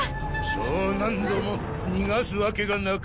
そう何度も逃がすわけがなかろうよ。